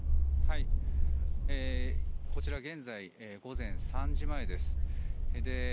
こちら現在、午前３時前です。